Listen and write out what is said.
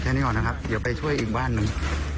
นี้ก่อนนะครับเดี๋ยวไปช่วยอีกบ้านหนึ่ง